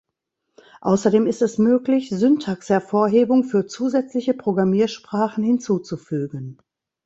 Außerdem ist es möglich, Syntaxhervorhebung für zusätzliche Programmiersprachen hinzuzufügen.